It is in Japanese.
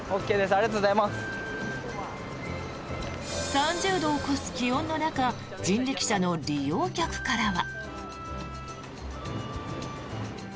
３０度を超す気温の中人力車の利用客からは。